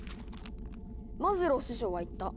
「マズロー師匠は言った。